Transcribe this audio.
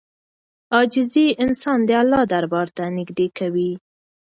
عاجزي انسان د الله دربار ته نږدې کوي.